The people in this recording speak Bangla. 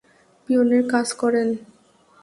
পিয়নের কাজ করেন।